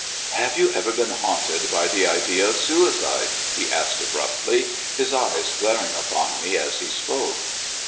" Have you ever been haunted by the idea of suicide? " he asked abruptly, his eyes glaring upon me as he spoke.